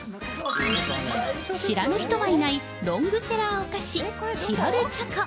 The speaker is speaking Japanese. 知らぬ人はいないロングセラーお菓子、チロルチョコ。